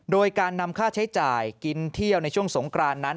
โดยการนำค่าใช้จ่ายกินเที่ยวในช่วงสงกรานนั้น